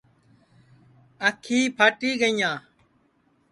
آنکھِیں پھاٹی گینیاں